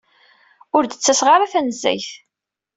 Ur d-ttaseɣ ara tanezzayt.